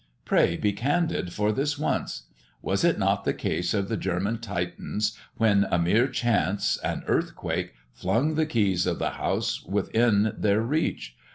Pray be candid for this once. Was it not the case of the German Titans, when a mere chance, an earthquake, flung the keys of the house within their reach?